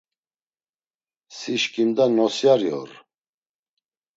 “Si şǩimda nosyari or.”